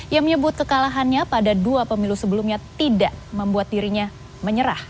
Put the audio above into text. yang menyebut kekalahannya pada dua pemilu sebelumnya tidak membuat dirinya menyerah